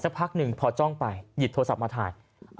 พักหนึ่งพอจ้องไปหยิบโทรศัพท์มาถ่าย